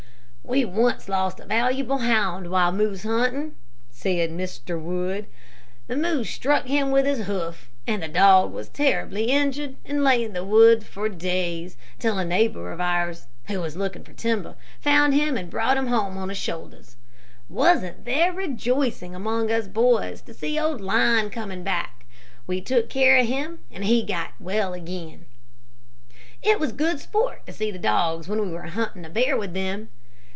"We once lost a valuable hound while moose hunting," said Mr. Wood. "The moose struck him with his hoof and the dog was terribly injured, and lay in the woods for days, till a neighbor of ours, who was looking for timber, found him and brought him home on his shoulders. Wasn't there rejoicing among us boys to see old Lion coming back, We took care of him and he got well again. "It was good sport to see the dogs when we were hunting a bear with them.